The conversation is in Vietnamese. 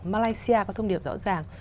malaysia có thông điệp rõ ràng